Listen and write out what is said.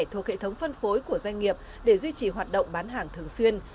thuộc hệ thống phân phối của doanh nghiệp để duy trì hoạt động bán hàng thường xuyên